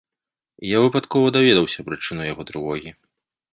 Я выпадкова даведаўся прычыну яго трывогі.